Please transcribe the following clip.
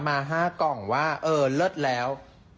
มา๕กล่องว่าเออเลิศแล้ว